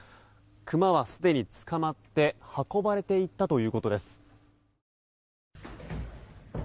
クマはすでに捕まって運ばれていったということです。